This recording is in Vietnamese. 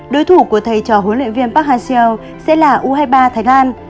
đối thủ của thầy trò huấn luyện viên park ha seo sẽ là u hai mươi ba thái lan